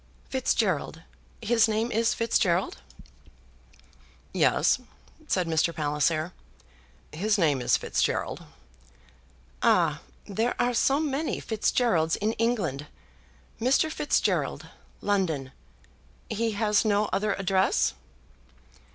"Fitzgerald; his name is Fitzgerald?" "Yes," said Mr. Palliser; "his name is Fitzgerald." "Ah! There are so many Fitzgeralds in England. Mr. Fitzgerald, London; he has no other address?"